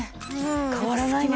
変わらないね。